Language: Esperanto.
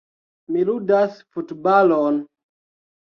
Mi ludas futbalon.